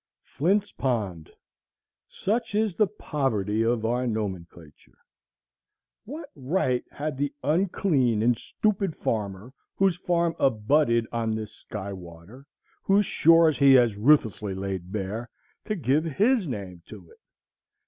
Flint's Pond! Such is the poverty of our nomenclature. What right had the unclean and stupid farmer, whose farm abutted on this sky water, whose shores he has ruthlessly laid bare, to give his name to it?